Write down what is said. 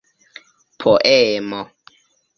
poemo